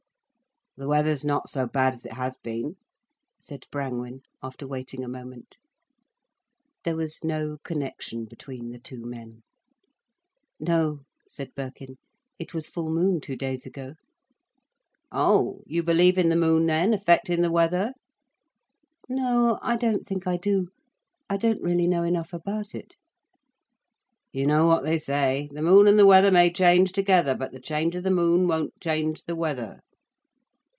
"The weather's not so bad as it has been," said Brangwen, after waiting a moment. There was no connection between the two men. "No," said Birkin. "It was full moon two days ago." "Oh! You believe in the moon then, affecting the weather?" "No, I don't think I do. I don't really know enough about it." "You know what they say? The moon and the weather may change together, but the change of the moon won't change the weather."